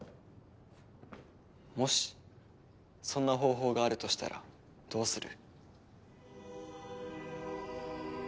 もしそんな方法があるとしたらどうする？